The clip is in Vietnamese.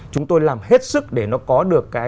chúng tôi làm hết sức để nó có được